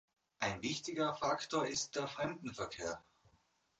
Ein wichtiger Faktor ist der Fremdenverkehr.